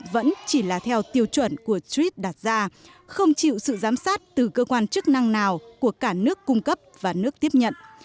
vẫn chỉ là theo tiêu chuẩn của trip đặt ra không chịu sự giám sát từ cơ quan chức năng nào của cả nước cung cấp và nước tiếp nhận